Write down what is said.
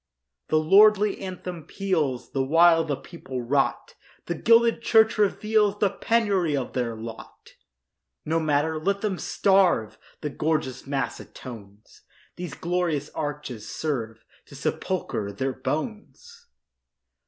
The lordly anthem peals The while the people rot; The gilded church reveals The penury of their lot. No matter—let them starve! The gorgeous mass atones; These glorious arches serve To sepulchre their bones.